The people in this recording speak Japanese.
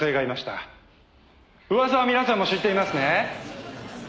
噂は皆さんも知っていますね。